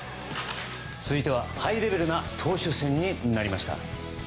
続いてはハイレベルな投手戦になりました。